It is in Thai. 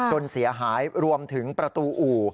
จนเสียหายรวมถึงประตูอู่